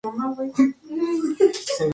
Sin embargo, uno de ellos queda vivo...